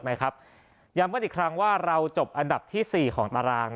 ย้ำกันอีกครั้งว่าเราจบอันดับที่๔ของตาราง